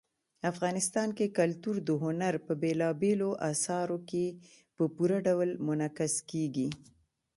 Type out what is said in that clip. افغانستان کې کلتور د هنر په بېلابېلو اثارو کې په پوره ډول منعکس کېږي.